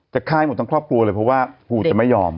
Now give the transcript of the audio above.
ค่ายหมดทั้งครอบครัวเลยเพราะว่าภูจะไม่ยอม